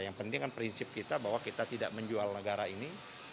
yang penting kan prinsip kita bahwa kita tidak menjual negara ini